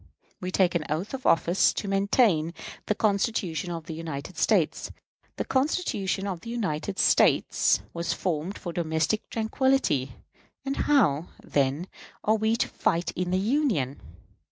We take an oath of office to maintain the Constitution of the United States. The Constitution of the United States was formed for domestic tranquillity; and how, then, are we to fight in the Union?